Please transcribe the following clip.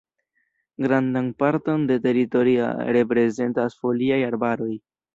Grandan parton de teritoria reprezentas foliaj arbaroj.